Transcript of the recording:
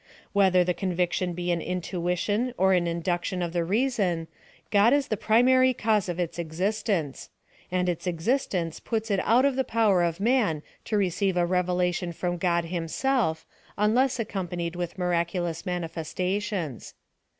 Whether the conviction be an intuition or an induction of the reason, God is the primary cause of its existence ; and its existence puts it out of the power of man to receive a revela tion from God himself, unless accompanied with miraculous manifestations.